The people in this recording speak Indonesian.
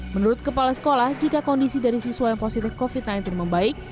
menurut kepala sekolah jika kondisi dari siswa yang positif covid sembilan belas membaik